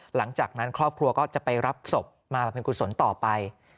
หลังจากนั้นครอบครัวก็จะไปรับศพมาบริเวณกุศลต่อไป